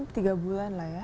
tiga bulan lah ya